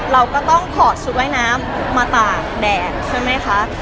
เราก็ต้องถอดชุดว่ายน้ำมาตากแดดใช่ไหมคะ